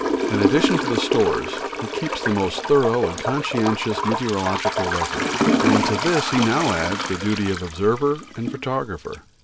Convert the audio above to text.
In addition to the stores, he keeps the most thorough and conscientious meteorological record, and to this he now adds the duty of observer and photographer.